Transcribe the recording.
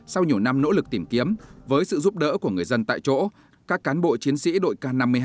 sau nhiều năm nỗ lực tìm kiếm với sự giúp đỡ của người dân tại chỗ các cán bộ chiến sĩ đội k năm mươi hai